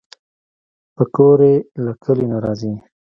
پکورې له کلیو نه راځي